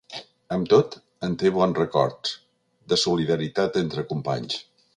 Amb tot, en té bons records, de solidaritat entre companys.